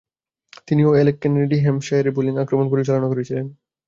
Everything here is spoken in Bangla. তিনি ও অ্যালেক কেনেডি হ্যাম্পশায়ারের বোলিং আক্রমণ পরিচালনা করেছিলেন।